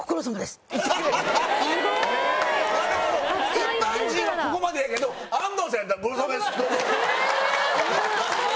一般人はここまでやけど安藤さんやったら「ご苦労さまです！どうぞ」。